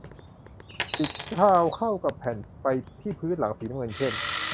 ติดกาวเข้ากับแผ่นไปที่พื้นหลังสีน้ำเงินเข้ม